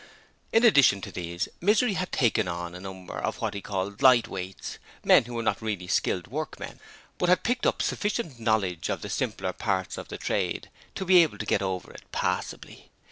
In addition to these, Misery had taken on a number of what he called 'lightweights', men who were not really skilled workmen, but had picked up sufficient knowledge of the simpler parts of the trade to be able to get over it passably.